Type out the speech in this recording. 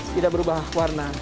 tidak berubah warna